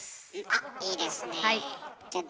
あっいいですねえ。